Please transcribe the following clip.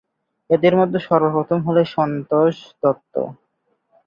এদের মধ্যে সর্বপ্রথম হলেন সন্তোষ দত্ত।